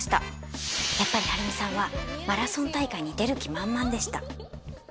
やっぱり晴美さんはマラソン大会に出る気満々でした。